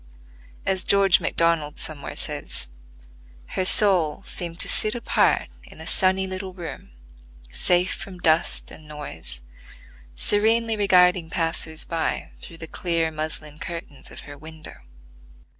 As George MacDonald somewhere says, "Her soul seemed to sit apart in a sunny little room, safe from dust and noise, serenely regarding passers by through the clear muslin curtains of her window."